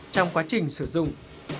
trong quá trình sử dụng